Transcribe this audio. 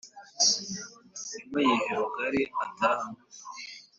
nimuyihe rugari ataha mo